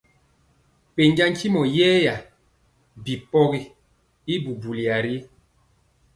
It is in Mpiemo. Pɛnja ntyimɔ yɛɛya bi pɔgi y bubuya ri.